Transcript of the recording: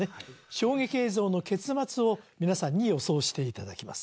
衝撃映像の結末を皆さんに予想していただきます